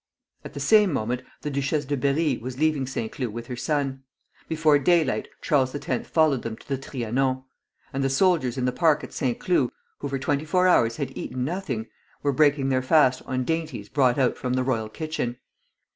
At the same moment the Duchesse de Berri was leaving Saint Cloud with her son. Before daylight Charles X. followed them to the Trianon; and the soldiers in the Park at Saint Cloud, who for twenty four hours had eaten nothing, were breaking their fast on dainties brought out from the royal kitchen.